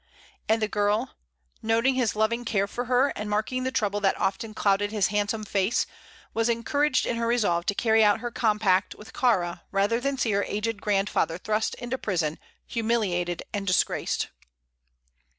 And the girl, noting his loving care for her and marking the trouble that often clouded his handsome face, was encouraged in her resolve to carry out her compact with Kāra rather than see her aged grandfather thrust into prison, humiliated and disgraced.